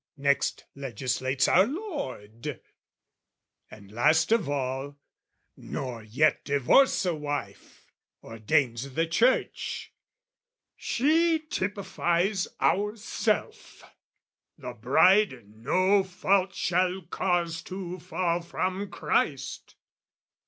next legislates our Lord; And last of all, "Nor yet divorce a wife!" Ordains the Church, "she typifies ourself, The Bride no fault shall cause to fall from Christ."